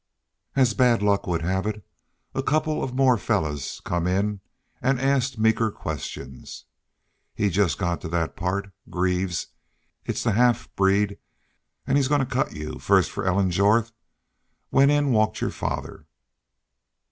As bad luck would have it, a couple of more fellars come in an' asked Meeker questions. He jest got to thet part, 'Greaves, it's the half breed, an' he's goin' to cut you FIRST FOR ELLEN JORTH,' when in walked your father!